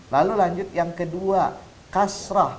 lalu lanjut yang kedua kasrah